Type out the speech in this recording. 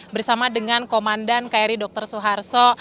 bersama dengan komandan kri dr suharto